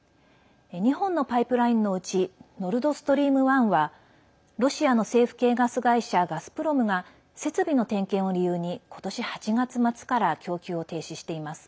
２本のパイプラインのうちノルドストリーム１はロシアの政府系ガス会社ガスプロムが設備の点検を理由に今年８月末から供給を停止しています。